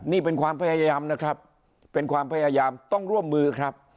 นี่เป็นความพยายามนะครับเป็นความพยายามต้องร่วมมือครับ